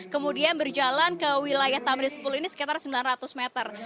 kemudian berjalan ke wilayah tamrin sepuluh ini sekitar sembilan ratus meter